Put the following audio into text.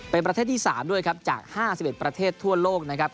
เป็นประเทศที่๓ด้วยครับจาก๕๑ประเทศทั่วโลกนะครับ